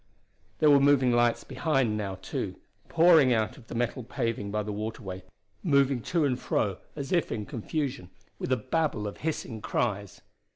There were moving lights behind now, too, pouring out onto the metal paving by the waterway, moving to and fro as though in confusion, with a babel of hissing cries.